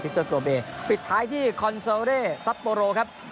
วิสเตอร์โกเบปิดท้ายที่คอนเซลเลซัปโปโรครับ